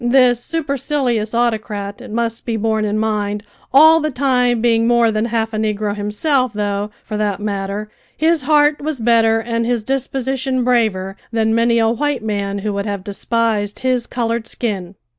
This supercilious autocrat, it must be borne in mind, all the time being more than half a negro himself, though, for that matter, his heart was better and his disposition braver than many a white man who would have despised his coloured skin.